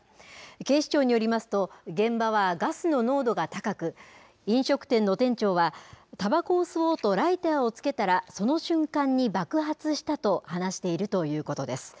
警視庁によりますと、現場はガスの濃度が高く、飲食店の店長は、たばこを吸おうとライターをつけたら、その瞬間に爆発したと話しているということです。